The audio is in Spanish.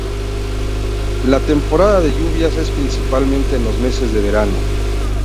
La temporada de lluvias es principalmente en los meses de verano.